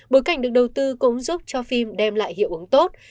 bối cảnh được đầu tư cũng giúp cho phim đem lại hiệu ứng tốt